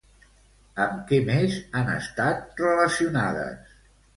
Amb què més han estat relacionades?